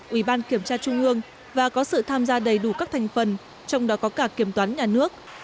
ủy ban kiểm tra trung ương và có sự tham gia đầy đủ các thành phần trong đó có cả kiểm toán nhà nước